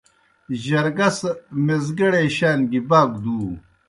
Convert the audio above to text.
جرگہ سہ میزگیڑے شان گیْ باک دُو۔